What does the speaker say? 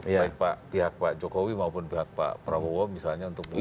baik pak jokowi maupun pihak pak prabowo misalnya untuk melihat